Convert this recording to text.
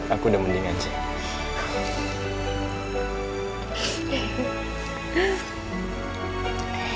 aku udah mendingan sih